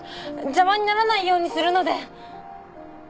邪魔にならないようにするので！